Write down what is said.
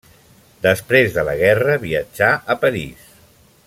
Després de la guerra viatjà a París.